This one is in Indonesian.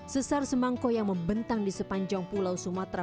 sesar semangko yang membentang di sepanjang pulau sumatera